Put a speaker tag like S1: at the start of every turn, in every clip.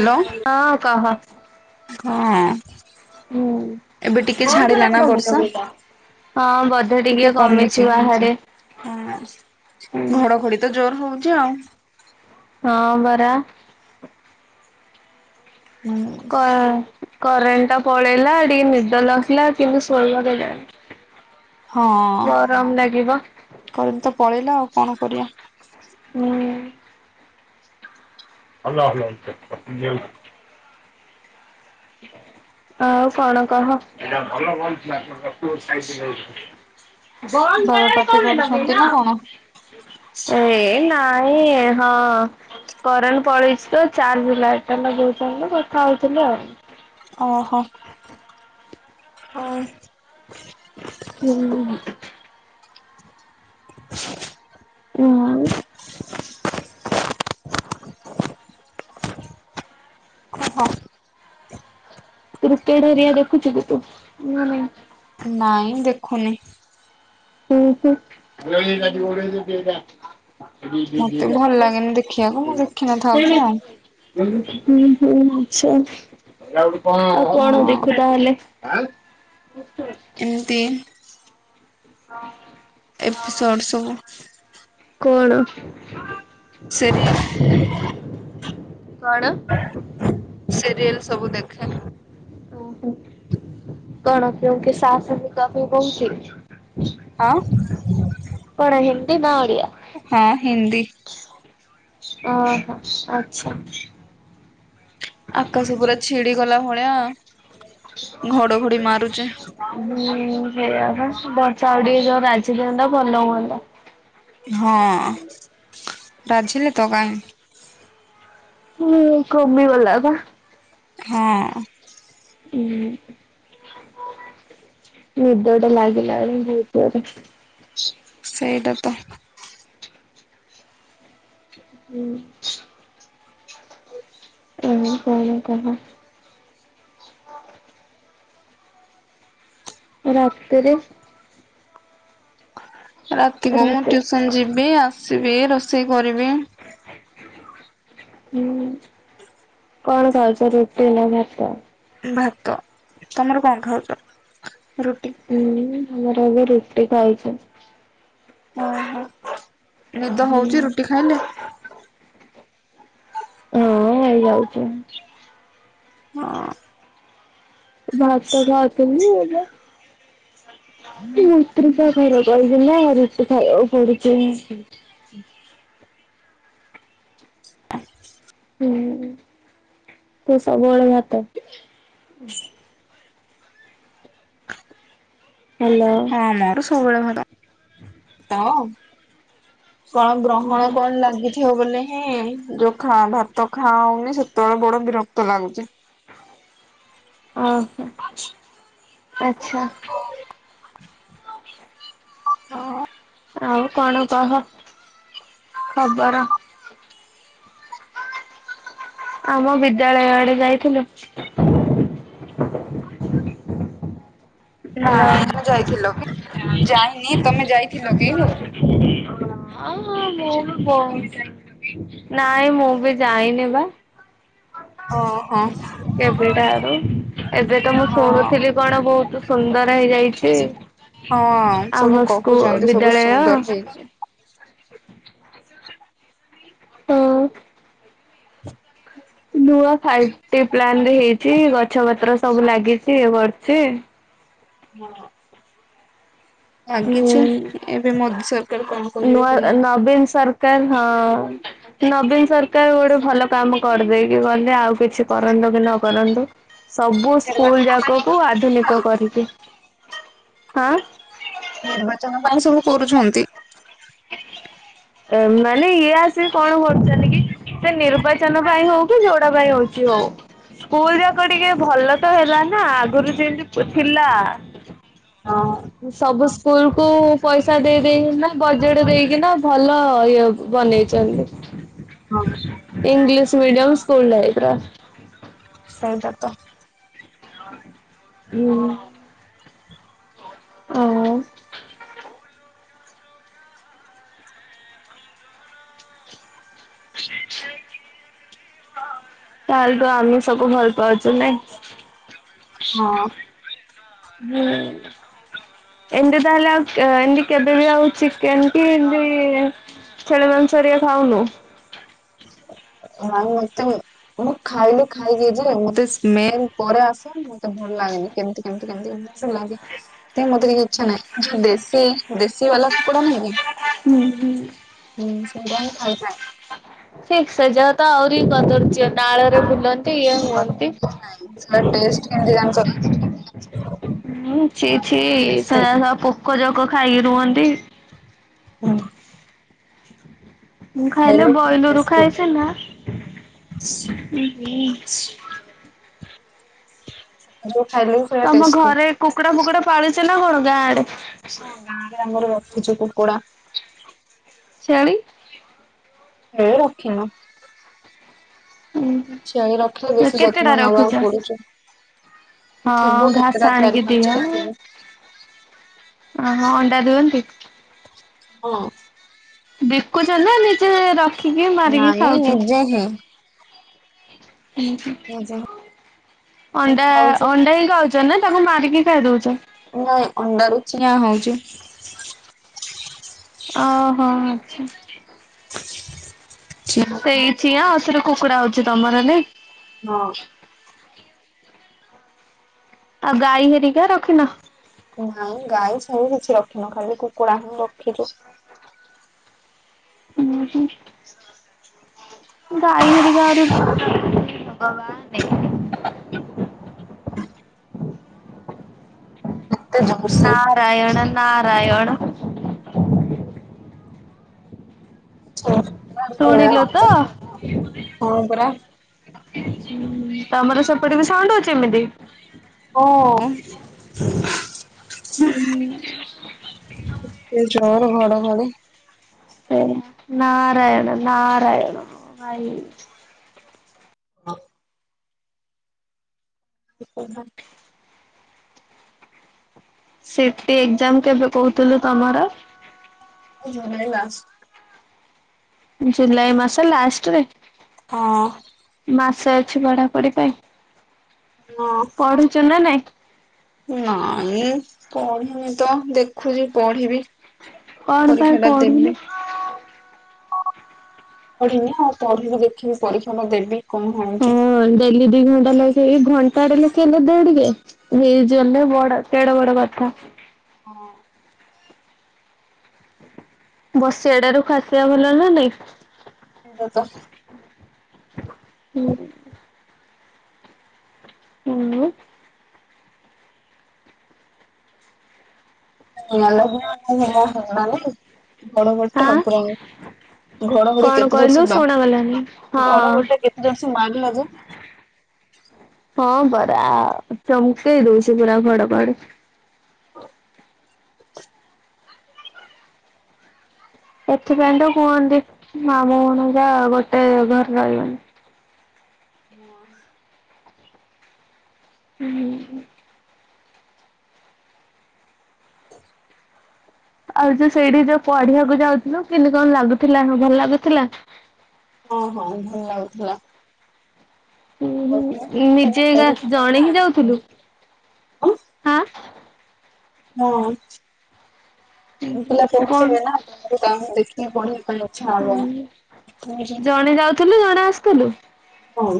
S1: Hello
S2: ହଁ କହ।
S1: ହଁ ଏବେ ଟିକେ ଛାଡିଲା ନାଁ ବର୍ଷା।
S2: ହଁ ବଧେ ଟିକେ କମିଛି ବାହାରେ।
S1: ହଁ ଘଡଘଡି ତ ଜୋର ହଉଚି ଆଉ।
S2: ହଁ ବରା।
S1: ହୁଁ।
S2: କ କରେଣ୍ଟ ଟା ପଳେଇଲା ଟିକେ ନିଦ ଲାଗିଲା କେମିତି ଶୋଇବ କେଜାଣି।
S1: ହଁ
S2: ଗରମ ଲାଗିବ
S1: କରେଣ୍ଟ ତ ପଳେଇଲା ଆଉ କଣ କରିବା।
S2: ହୁଁ। [unintelligible] ଆଉ କଣ କହ? ବଲ୍ ବେଳେ
S1: ବାବା ପାଟି
S2: କନ୍ ପାଇଁ
S1: କରୁଛନ୍ତି
S2: ଲଗେଇଲ।
S1: ନା କଣ?
S2: ଏଇ ନାଇଁ ଏ ହଁ। କରେଣ୍ଟ ପଳେଇଚି ତ ଚାର୍ଜ ଲାଇଟ୍ ଟା ଲଗେଉଚନ୍ତି ତ କଥା ହଉଥିଲି ଆଉ।
S1: ଓହୋ ହଉ।
S2: ହୁଁ
S1: [inaudible]
S2: ଆଉ
S1: ଓହୋ
S2: କ୍ରିକେଟ ହେରିକା ଦେଖୁଛୁ କି ତୁ ନା ନାଇଁ?
S1: ନାଇଁ ଦେଖୁନି।
S2: ଉଁ ହୁଁ। [inaudible]
S1: ମତେ ବି ଭଲ ଲାଗେନି ଦେଖିବାକୁ ମୁଁ ଦେଖିନଥାଉଛି ଆଉ।
S2: ଉଁ ହୁଁ ଆଛା ଆଉ କଣ
S1: ହଁ।
S2: ଦେଖୁ ତାହେଲେ? ଆଁ
S1: ଏମତି ଏପିସୋଡ ସବୁ
S2: କଣ?
S1: ସେରି
S2: କଣ?
S1: ସିରିଏଲ ସବୁ ଦେଖେ।
S2: ଓହୋ କଣ କେଉ କି ସାସ ବି କ ବି ବୋହୁକି।
S1: ଆ
S2: କଣ ହିନ୍ଦୀ ନା ଓଡ଼ିଆ?
S1: ହଁ ହିନ୍ଦୀ।
S2: ଓହୋ ଆଛା।
S1: ଆକାଶ ପୁରା ଛିଡ଼ିଗଲା ଭଳିଆ ଘଡ଼ଘଡ଼ି ମାରୁଛି।
S2: ହୁଁ ସେଇଆ ପା ବର୍ଷା ଆଉ ଟିକେ ଯୋଉ ରାଜି ଦିଅନ୍ତା ଭଲ ହୁଅନ୍ତା।
S1: ହଁ ରାଜିଲେ ତ କାହିଁ।
S2: ହୁଁ କମି ଗଲା ବା।
S1: ହଁ
S2: ଉଁ ନିଦଟେ ଲାଗିଲା ଦି ପରେ। [inaudible]
S1: ସେଇଟା ତ
S2: ହୁଁ ଆଉ କଣ କହ? ରାତିରେ
S1: ରାତିିରେ ମୁଁ
S2: ରାତି
S1: ଟ୍ୟୁସନ ଯିବି ଆସିବି ରୋଷେଇ କରିବି।
S2: ହୁଁ କଣ ଖାଉଛ ରୁଟି ନା ଭାତ?
S1: ଭାତ ତମର କଣ ଖାଉଛ ରୁଟି?
S2: ହୁଁ ଘମର ଆବେ ରୁଟି ଖାଇଛ।
S1: ଓହୋ ନିଦ
S2: ହୁଁ।
S1: ହଉଚି ରୁଟି ଖାଇଲେ।
S2: ହଁ ହେଇଯାଉଛି।
S1: ହଁ
S2: [unintelligible] ମୁସ୍ତ୍ରୀ ତ ଘଲ କରିଛି ନା ରୁଟି ଖାଇବାକୁ ପଡୁଛି।
S1: ଆ
S2: ହୁଁ ତୁ ସବୁବେଳେ ଭାତ ହେଲୋ
S1: ହଁ ମୋର ସବୁବେଳେ ଭଲ। କଣ
S2: ଉଁ
S1: ଗ୍ରହଣ
S2: ହୁଁ।
S1: କଣ ଲାଗିଥିବ ବ ହିଁ ଯୋ ଖା ଭା ତ ଖାଉନି, ସେତେବେଳେ ବଡ ବିରକ୍ତ ଲାଗୁଛି।
S2: ଓହୋ। ଆଚ୍ଛା।
S1: ହଁ।
S2: ଆଉ କଣ କହ? ଖବର। ଆମ ବିଦ୍ୟାଳୟ ଆଡେ ଯାଇଥିଲୁ? ହାଲୋ।
S1: ନାଇଁ ମୁଁ ଯାଇଥିଲ କି? ଯାଇନି ତମେ ଯାଇଥିଲ କି?
S2: ହଁ ମୁଁ ବି ବଉ ନାଇଁ ମୁଁ ବି ଯାଇନି ବା।
S1: ଓହୋ
S2: କେବେଟାରୁ। ଏବେ ତ ମୁଁ
S1: ହଁ
S2: ଶୁଣୁଥିଲି କଣ ବହୁତ ସୁନ୍ଦର ହେଇଯାଇଛି।
S1: ହଁ ସବୁ
S2: ଆମ ସ୍କୁ
S1: କହୁଛନ୍ତି, ସବୁ
S2: ବିଦ୍ୟାଳୟ
S1: ସୁନ୍ଦର ହେଇଛି।
S2: ହୁଁ। ନୂଆ ଫାଇପ୍ ଟି ପ୍ଲାନରେ ହେଇଛି। ଗଛ ପତ୍ର ସବୁ ଲାଗିଛି ଇଏ କରିଛି।
S1: ହଁ। ଆ
S2: ହୁଁ
S1: କିିଛି। ଏବେ ମୋଦି ସରକାର କଣ କରିବେ
S2: ନୂଆ,
S1: କେଜାଣି।
S2: ନବୀନ ସରକାର ହଁ। ନବୀନ ସରକାର ଗୋଟେ ଭଲ କାମ କରିଦେଇକି ଗଲେ, ଆଉ କିଛି କରନ୍ତୁ କି ନ କରନ୍ତୁ। ସବୁ ସ୍କୁଲ
S1: ନିର୍ବାଚନ ପାଇଁ
S2: ଯାକକୁ
S1: କରୁଛନ୍ତି
S2: ଆଧୁନିକ
S1: ଆଉ
S2: କରିବେ। ଆଁ?
S1: ନିର୍ବାଚନ ପାଇଁ ସବୁ କୋରୁଛନ୍ତି।
S2: ଏମାନେ ଇଏ ଆସ ସେ କଣ କରୁଛନ୍ତି କି? ସେ ନିର୍ବାଚନ ପାଇଁ ହଉ କି ଯଉଡା ପାଇଁ ହଉଛି ହଉ। ସ୍କୁଲ ଯାକ ଟିକେ ଭଲ ତ ହେଲା ନା। ଆଗରୁ ଯେମତି ଥିଲା?
S1: ହଁ।
S2: ସବୁ ସ୍କୁଲ କୁ ପଇସା ଦେଇ ଦେଇେଇକି ନା, ବଜେଟ ଦେଇକିନା ଭଲ ଇଏ ବନେଇଛନ୍ତି।
S1: [inaudible]
S2: ଇଂଲିଶ ମିଡିୟମ୍ ସ୍କୁୂଲ ଟାଇପ୍ ର।
S1: ସେଇଟା ତ।
S2: ହୁଁ। ହୁଁ। ତାହେଲେ ତୁ ଆମିଷକୁ ଭଲ ପାଉଛୁ ନାଇଁ?
S1: ହଁ।
S2: ହୁଁ। ଏମିତି ତାହଲେ ଆଉ ଏ ଏମିତି କେବେ ବି ଆଉ ଚିକେନ କି [unintelligible] ଛେଳି ମାଂସ ଘରିକା ଖାଉନୁ?
S1: [unintelligible] ମୁଁ ଖାଇଲେ ଖାଇଦିଏଯେ, ମତେ ସ୍ମେଲ୍ ପରେ ଆସନ ମୁଁଇତ ଭଲ ଲାଗେନି କେମିତି କେମିତି କେମତି ଲାଗେ ମତେ ଟିକେ ଇଚ୍ଛା ନାହିଁ ଯୋଉ ଦେଶୀ ଦେଶୀ ବାଲା କୁକୁଡ଼ା ନାଇଁ କି?
S2: ହୁଁ ହୁଁ।
S1: ହୁଁ। ସେଗୁଡ଼ା ଖାଇଯାଏ।
S2: ଛି, ସେ ଜାଗାତ ତ ଆହୁରି କଦର୍ଯ୍ୟ। ନାଳରେ ବୁଲନ୍ତି, ଇଏ ହୁଅନ୍ତି।
S1: ନାଇଁ ସେଟା ଟେଷ୍ଟ କେମିତି ଜାଣିଛ ନା
S2: ହୁଁ, ଛି
S1: ପୁରା
S2: ଛି
S1: ବହୁତ ଟେଷ୍ଟି।
S2: ସେଯାକ ସବୁ ପୋକ ଜୋକ ଖାଇକି ରୁହନ୍ତି।
S1: [unintelligible]
S2: ମୁଁ ଖାଇଲେ
S1: ପୁରା
S2: ବଏଲରୁ
S1: ଟେଷ୍ଟି
S2: ଖାଏ ସିନା।
S1: [unintelligible] ଖାଇଲି
S2: ତମ ଘରେ କୁକୁଡା ଫୁକୁଡା ପାଳୁଚ ନା କଣ ଗାଁ ଆଡେ?
S1: ହଁ ଗାଁରେ ଆମର ରଖିଚୁ କୁକୁଡା।
S2: ଛେଳି?
S1: [unintelligible] ରଖିନୁ।
S2: ହୁଁ।
S1: ଛେଳି ରଖିଲେ ବେଶୀ ଯତ୍ନ ନବାକୁ ପଡୁଚି।
S2: ହଁ ଘାସ
S1: ଚାରି
S2: ଆଣିକି ଦିଅ
S1: ପାଞ୍ଚଟା ଥିବ
S2: [unintelligible] ଅଣ୍ଡା ଦିଅନ୍ତି?
S1: ହଁ।
S2: ବିକୁଚ ନା ନିଜେ ରଖିକି ମାରିକି
S1: ନାଇଁ
S2: ଖାଉଚ?
S1: [unintelligible] ନିଜେ ହିଁ ଖାଉଛୁ
S2: ଅଣ୍ଡା-ଅଣ୍ଡା ହିଁ ଖାଉଚ ନା ତାଙ୍କୁ ମାରିକି ଖାଇ ଦଉଚ?
S1: ନାଇଁ ଅଣ୍ଡାରୁ ଚିଆଁ ହଉଚି।
S2: ଅହୋ ଆଚ୍ଛା।
S1: ଚିଆଁ ହଁ
S2: ସେଇ ଚିଆଁ ଆଉଥରେ କୁକୁଡ଼ା ହଉଚି ତମର ନାଇଁ?
S1: ହଁ।
S2: ଆଉ ଗାଈ ହେରିକା ରଖିିନ?
S1: ନାଇଁ ଗାଈ ଛେଳି କିଛି ରଖିନୁ ଖାଲି କୁକୁଡ଼ା ହିଁ ରଖିଛୁ।
S2: [unintelligible] ହୁଁ ଗାଈ ହେରିକା ଆହୁରି
S1: [unintelligible] ଜୋର୍ସେ
S2: [unintelligible] ନାରାୟଣ ଶୁଣିଲୁ ତ?
S1: ହଁ ପରା
S2: ତମର ସେପଟେ ବି ସାଉଣ୍ଡ ହଉଚି ଏମିତି?
S1: ହଁ।
S2: [unintelligible]
S1: କେତେ ଜୋର୍ ଘଡଘଡି।
S2: [unintelligible] ନାରାୟଣ-ନାରାୟଣ ଭାଇ।
S1: [unintelligible]
S2: ସିଟି ଏକ୍ଜାମ୍ କେବେ କହୁଥିଲୁ ତମର?
S1: July last.
S2: ଜୁଲାଇ ମାସ ଲାଷ୍ଟରେ?
S1: ହଁ।
S2: ମାସେ ଅଛି ପଢାପଢି ପାଇଁ। ପଢୁଛୁ ନା ନାଇଁ
S1: [unintelligible] ନାଇଁ ପଢିନି ତ ଦେଖୁଚି ପଢିବି।
S2: କଣ ପାଇଁ
S1: ପରୀକ୍ଷା ଟା ଦେବି
S2: ପଢୁନୁ?
S1: ପଢିନି ଆଉ ପଢିବି ଦେଖିବି ପରୀକ୍ଷା ଟା ଦେବି କଣ ହଉଚି।
S2: ହଁ ଡେଲି ଦି ଘଣ୍ଟା ଲେଖେ ଘଣ୍ଟାଟେ ଲଖେ ହେଲେ ଦେ ଟିକେ। ହେଇଯିବ ହେଲେ ବଡ କେଡେ ବଡ କଥା।
S1: ହଁ।
S2: ବସିବା ଟାରୁ ଖାସିବା ଭଲ ନା ନାଇଁ।
S1: [unintelligible] ତ
S2: ହୁଁ। ହୁଁ।
S1: [unintelligible] ଘଡଘଡିଟା
S2: ଆଁ
S1: ପରା ଘଡଘଡି
S2: କଣ
S1: କେତେ ଜୋର
S2: କହିଲୁ
S1: ସେ
S2: ଶୁଣାଗଲାନି
S1: ଘଡଘଡି
S2: ହଁ।
S1: ଗୋଟେ କେତେ ଜୋରଷେ ମାଗିଲା ଯେ
S2: ହଁ ପରା ଚମକେଇ ଦଉଛି ପୁରା ଘଡ ଘଡି।
S1: ହ।
S2: ସେଥିପାଇଁ ତ କୁହନ୍ତି ମାମୁଁ ଭଣଯା ଗୋଟେ ଘରେ ରହିବନି।
S1: ହଁ।
S2: ହୁଁ। ଆଉ ଯୋଉ ସେଇଠି ଯୋଉ ପଢିବାକୁ ଯାଉଥିଲୁ କେମତି କଣ ଲାଗୁଥିଲା ଭଲ ଲାଗୁଥିଲା?
S1: ହଁ ହଁ ଭଲ ଲାଗୁଥିଲା।
S2: ଉ ନିଜେ
S1: ପଢୁଥିବେ
S2: ଜଣେଇ
S1: ନା
S2: ହିଁ ଯାଉଥିଲୁ?
S1: ତମେ
S2: ଆଁ
S1: ହଁ। ମୁଁ ପିଲା ପଢ଼ୁ ଥିବେ ନା
S2: କଣ?
S1: ତମକୁ ତା ଦେଖିକି ପଢେଇିବା ପାଇଁ ଇଚ୍ଛା ହବ।
S2: ଜଣେ ଯାଉଥିଲୁ ଜଣେ ଆସିଥିଲୁ?
S1: ହଁ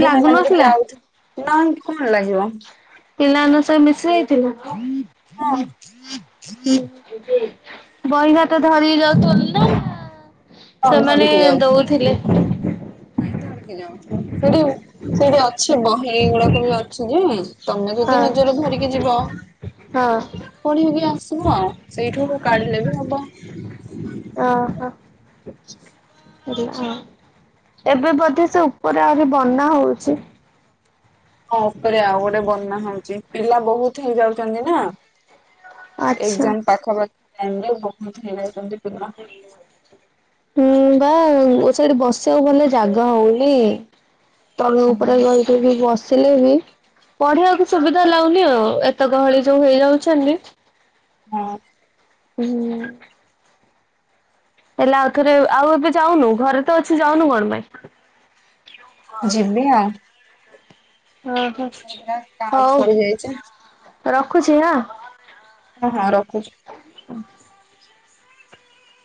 S1: ଦିଦି
S2: ଲାଗୁନଥିଲା।
S1: [unintelligible]
S2: ପିଲା‌ ମାନଙ୍କ ସାଙ୍ଗେ ମିସେଇ ଥିଲ?
S1: ହଁ
S2: ବହି ଖାତା ଧରିି କି ଯାଉ ଥିବ
S1: ହଁ ଧରିକି‌ ଯାଉଛି।
S2: ଦଉଥିଲେ
S1: ନାଇଁ ଧରକି‌ ଯାଉଛି। ସେଠି ସେଠି ଅଛି ବହି ଗୁଡାକ ବି ଅଛି ଯେ ତମେ ଯଦି
S2: ହଁ
S1: ନିଜର ଧରିକି ଯିବ
S2: ହଁ
S1: ପଢେଇକି ଆସିବ ଆଉ ସେଇଠୁରୁ କାଢିଲେ ବି ହବ।
S2: ଓ ହୋ। ଏବେ ବୋଧେ ସେ ଉପରେ ଆହୁରି ବନା ହଉଛି?
S1: ହଁ ଉପରେ ଆଉ ଗୋଟେ ବହ୍ନ ହଉଛି ପିଲା ବହୁତ ହେଇ ଯାଉଛନ୍ତି ନା।
S2: ଆଚ୍ଛା
S1: ଏକ୍ସାମ ପାଖାପାଖି ଯା ବହୁତ ହେଇଯାଇଛନ୍ତି ପିଲା।।
S2: ହୁଁ ବା ଓ ସେଇଠି ବସିବାକୁ ଭଲ ଜାଗା ହଉନି। [unintelligible] ଉପରେ
S1: ହଁ
S2: ଗଲକୁ ବି ବସିଲେ ବି ପଢିବାକୁ ସୁବିଧା ଲାଗୁନି ଆଉ ଏତେ ଗହଳି ଯୋଉ ହେଇଯାଉଛନ୍ତି।
S1: ହଁ।
S2: ହୁଁ। ହେଲା ଆଉ ଥରେ ଆଉ ଏବେ ଯାଉନୁ ଘରେ ତ ଅଛୁ ଯାଉନୁ କଣ ପାଇଁ?
S1: ଯିବି ଆଉ।
S2: ଓ ହୋ।
S1: [unintelligible] ସରିଯାଇଛ
S2: ରଖୁଛି ହଁ।
S1: ହଁ ହଁ ରଖୁଛି।